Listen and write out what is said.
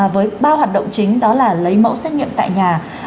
với ba hoạt động chính đó là lấy mẫu xét nghiệm tại nhà